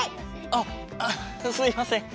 あっすいません。